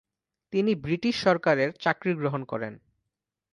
তিনি ব্রিটিশ সরকারের চাকরি গ্রহণ করেন।